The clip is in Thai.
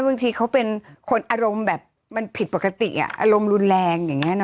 บางทีเขาเป็นคนอารมณ์แบบมันผิดปกติอารมณ์รุนแรงอย่างนี้นะ